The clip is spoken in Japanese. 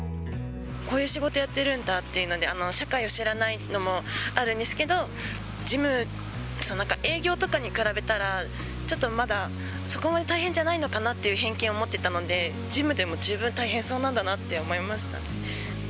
こういう仕事やってるんだっていうんで、社会を知らないのもあるんですけど、事務、なんか営業とかに比べたら、ちょっとまだ、そこまで大変じゃないのかなっていう偏見を持ってたので、事務でも十分大変そうなんだなって思いました。